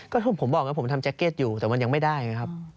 ก็ผมบอกไงผมทำแจ็คเก็ตอยู่แต่มันยังไม่ได้ไงครับ